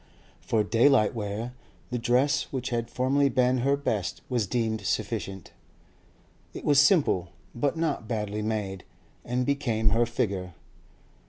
For daylight wear, the dress which had formerly been her best was deemed sufficient; it was simple, but not badly made, and became her figure.